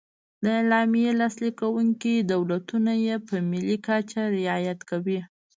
د اعلامیې لاسلیک کوونکي دولتونه یې په ملي کچه رعایت کوي.